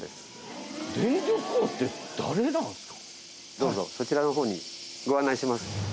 どうぞこちらの方にご案内します。